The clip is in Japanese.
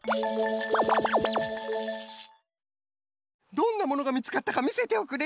どんなものがみつかったかみせておくれ。